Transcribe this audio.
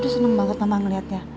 seneng banget mama ngelihatnya